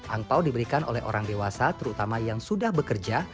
angpau diberikan oleh orang dewasa terutama yang sudah bekerja